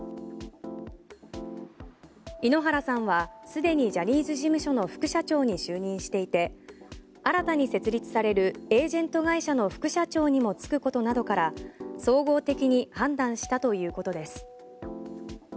井ノ原さんはすでにジャニーズ事務所の副社長に就任していて新たに設立されるエージェント会社の副社長にも就くことなどから総合的に判断したということです。